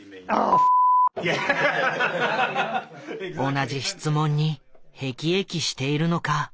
同じ質問にへきえきしているのか。